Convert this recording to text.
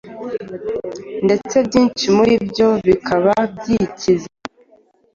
ndetse byinshi muri byo bikaba byikiza